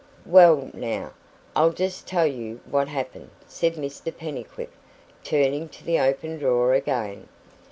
"Well, now, I'll just tell you what happened," said Mr Pennycuick, turning to the open drawer again.